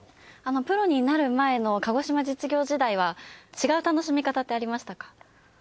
プロになる前の鹿児島実業時代は違う楽しみ方ってありましたか？